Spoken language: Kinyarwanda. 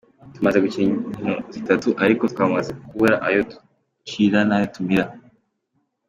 " Tumaze gukina inkino zitatu, ariko twamaze kubura ayo ducira n'ayo tumira.